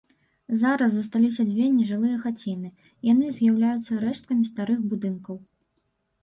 Зараз засталіся дзве нежылыя хаціны, яны з'яўляюцца рэшткамі старых будынкаў.